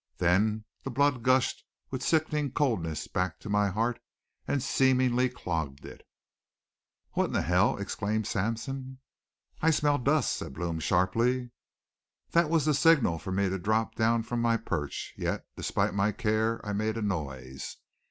Then the blood gushed with sickening coldness back to my heart and seemingly clogged it. "What in the hell!" exclaimed Sampson. "I smell dust," said Blome sharply. That was the signal for me to drop down from my perch, yet despite my care I made a noise.